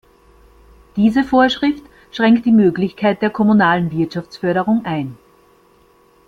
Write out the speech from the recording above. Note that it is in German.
Diese Vorschrift schränke die Möglichkeiten der kommunalen Wirtschaftsförderung ein.